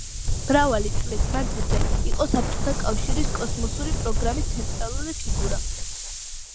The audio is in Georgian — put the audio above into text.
მრავალი წლის მანძილზე იყო საბჭოთა კავშირის კოსმოსური პროგრამის ცენტრალური ფიგურა.